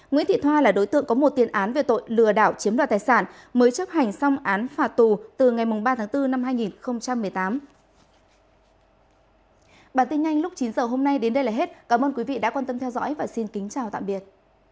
nguyễn thị thoa là đối tượng có một tiền án về tội lừa đảo chiếm đoạt tài sản mới chấp hành xong án phạt tù từ ngày ba tháng bốn năm hai nghìn một mươi tám